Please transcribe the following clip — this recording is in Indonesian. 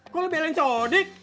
kok lu belain sodi